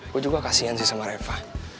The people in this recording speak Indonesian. gue juga kasian sih sama eva